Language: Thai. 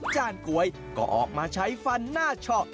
จานกล้วยก็ออกมาใช้ฟันหน้าช็อค